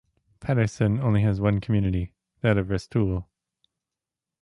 Patterson only has one community, that of Restoule.